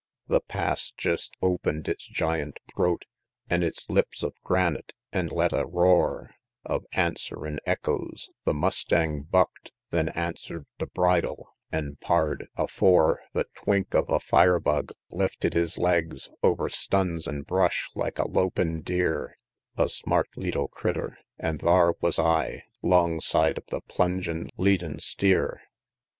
XXXI. The Pass jest open'd its giant throat An' its lips of granite, an' let a roar Of answerin' echoes; the mustang buck'd, Then answer'd the bridle; an', pard, afore The twink of a fire bug, lifted his legs Over stuns an' brush, like a lopin' deer A smart leetle critter! An' thar wus I 'Longside of the plungin' leadin' steer!